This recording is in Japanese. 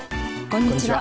こんにちは。